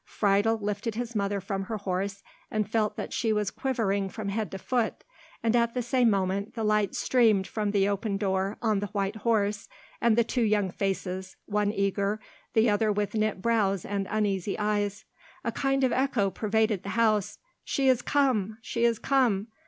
Friedel lifted his mother from her horse, and felt that she was quivering from head to foot, and at the same moment the light streamed from the open door on the white horse, and the two young faces, one eager, the other with knit brows and uneasy eyes. A kind of echo pervaded the house, "She is come! she is come!"